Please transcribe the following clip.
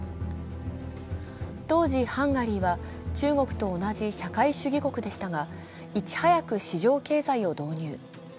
当時、ハンガリーは中国と同じ社会主義国でしたがいち早く市場経済を導入。